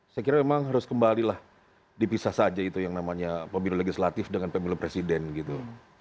saya kira memang harus kembalilah dipisah saja itu yang namanya pemilu legislatif dengan pemilu presiden gitu